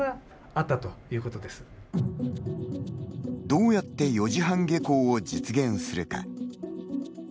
どうやって４時半下校を実現するか。